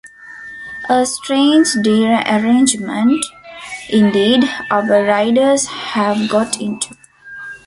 A strange derangement, indeed, our riders have got into.